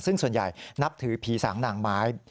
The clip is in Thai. ซึ่งส่วนใหญ่นับถือผีสางนางไม้